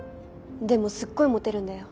でもすっごいモテるんだよ。